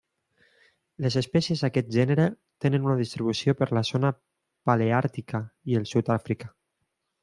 Les espècies d'aquest gènere tenen una distribució per la zona paleàrtica i Sud-àfrica.